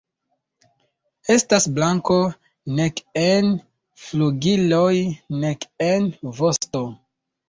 Estas blanko nek en flugiloj nek en vosto.